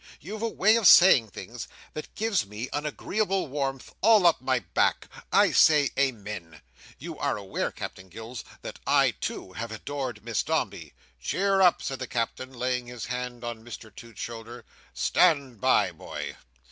You've a way of saying things, that gives me an agreeable warmth, all up my back. I say Amen. You are aware, Captain Gills, that I, too, have adored Miss Dombey." "Cheer up!" said the Captain, laying his hand on Mr Toots's shoulder. "Stand by, boy!"